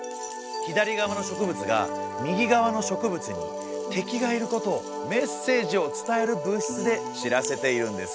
左側の植物が右側の植物に敵がいることをメッセージを伝える物質で知らせているんです。